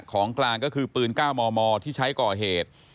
ของกลางก็คือปืน๙มมที่ใช้ก่อเหตุ